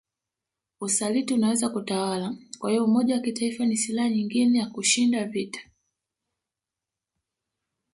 Usaliti unaweza kutawala kwahiyo umoja wa kitaifa ni silaha nyingine ya kushinda vita